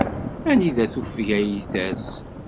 Anida tufeg ay ters.